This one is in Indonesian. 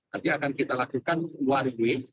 nanti akan kita lakukan luar inways